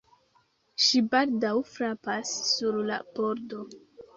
Ŝi baldaŭ frapas sur la pordo.